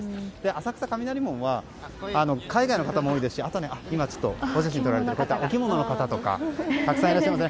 浅草・雷門は海外の方も多いですし写真を撮られているお着物の方とかたくさんいらっしゃいますね。